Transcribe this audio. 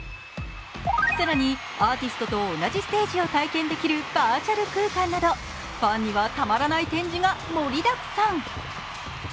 更に、アーティストと同じステージを体験できるバーチャル空間などファンにはたまらない展示が盛りだくさん。